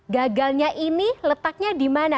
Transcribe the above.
gagalnya ini letaknya dimana